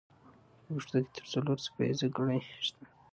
په پښتو کې تر څلور څپه ایزه ګړې شته.